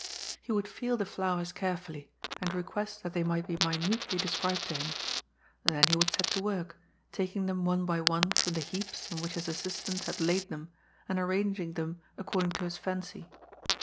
He would feel the flowers carefully, and request that they might be mi nutely described to him ; then he would set to work, taking them one by one from the heaps in which his assistant had laid them and arranging them according to his fancy.